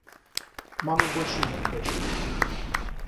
Мамы больше нет, дочка.